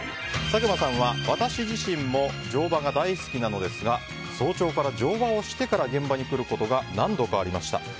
佐久間さんは私自身も乗馬が大好きなのですが早朝から乗馬をしてから現場に来ることが何度かありました。